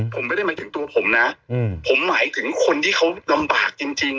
ผมไม่ได้หมายถึงตัวผมนะผมหมายถึงคนที่เขาลำบากจริง